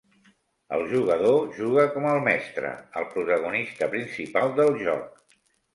El jugador juga com "El Mestre", el protagonista principal del joc.